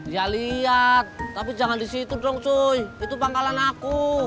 ya lihat tapi jangan di situ dong joy itu pangkalan aku